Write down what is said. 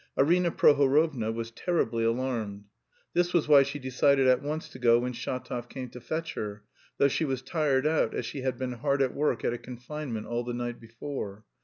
Arina Prohorovna was terribly alarmed. This was why she decided at once to go when Shatov came to fetch her, though she was tired out, as she had been hard at work at a confinement all the night before.